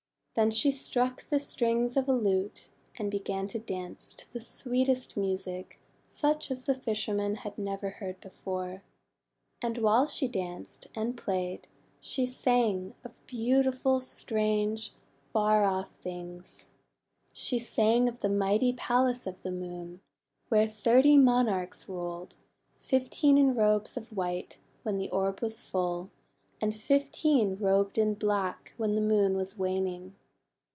Then she struck the strings of a lute, and began to dance to the sweetest music, such as the fisher man had never heard before. And while she danced and played, she sang of beautiful, strange, far off things. She sang of the mighty Palace of the Moon where thirty monarchs ruled, fifteen in robes of white when the orb was full, and fifteen robed in black when the Moon was waning.